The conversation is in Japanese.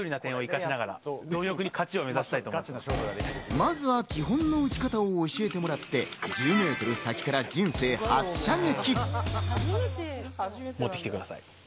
まずは基本の打ち方を教えてもらって１０ｍ先から人生初射撃。